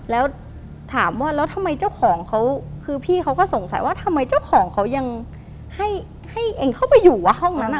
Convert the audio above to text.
แล้วถามว่าแล้วทำไมเจ้าของเขาคือพี่เขาก็สงสัยว่าทำไมเจ้าของเขายังให้เองเข้าไปอยู่ว่าห้องนั้น